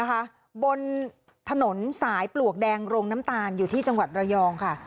บนถนนสายปลวกแดงโรงน้ำตาลอยู่ที่จังหวัดระยองค่ะ